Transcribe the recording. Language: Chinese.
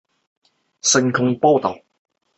英国广播公司第一台还用热气球升空报导。